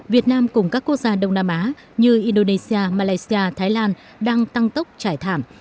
việt nam cùng các quốc gia đông nam á như indonesia malaysia thái lan đang tăng tốc trải thảm